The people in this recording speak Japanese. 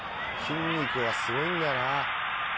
筋肉がすごいんだな。